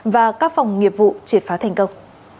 và các phòng nghiệp vụ triệt phá thành công